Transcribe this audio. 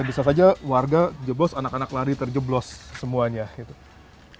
bisa saja warga jeblos anak anak lari terjeblos semuanya gitu